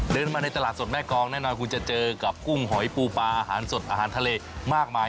เดินมาในตลาดสดแม่กองแน่นอนคุณจะเจอกับกุ้งหอยปูปลาอาหารสดอาหารทะเลมากมาย